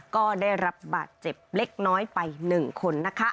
ก็ได้รับบาดเจ็บเล็กน้อยไป๑คนนะคะ